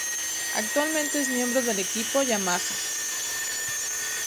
Actualmente es miembro del equipo Yamaha.